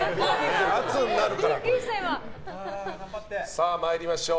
さあ、参りましょう。